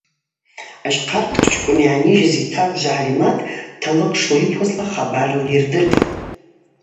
Ащхъарктчкӏвын йгӏанижьыз йтагвжва Гӏалимат талыкъ шлитуазла хабар лйырдыртӏ.